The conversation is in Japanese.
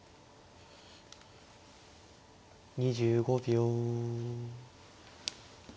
２５秒。